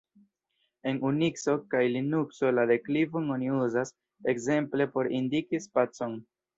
En Unikso kaj Linukso la deklivon oni uzas ekzemple por indiki spacon.